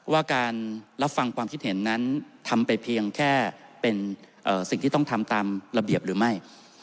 ว่าการรับฟังความคิดเห็นนั้นทำไปเพียงแค่เป็นสิ่งที่ต้องทำตามระเบียบหรือไม่